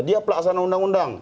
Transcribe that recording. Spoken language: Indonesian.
dia pelaksana undang undang